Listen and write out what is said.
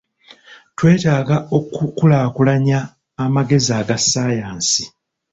Twetaaga okukulaakulanya amagezi aga ssayansi.